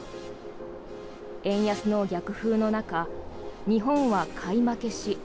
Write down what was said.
円安の逆風の中日本は買い負けし